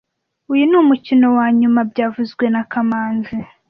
Uyu ni umukino wanyuma byavuzwe na kamanzi